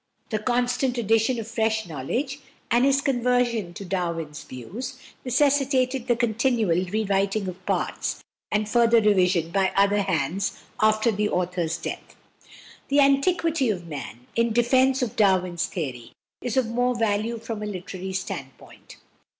The constant addition of fresh knowledge, and his conversion to Darwin's views, necessitated the continual rewriting of parts and further revision by other hands after the author's death. "The Antiquity of Man" (in defence of Darwin's theory) is of more value from a literary standpoint.